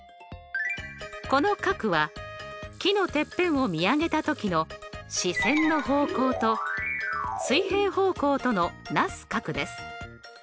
この角は木のてっぺんを見上げた時の視線の方向と水平方向とのなす角です。